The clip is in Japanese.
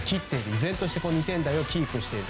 依然として２点台をキープしている。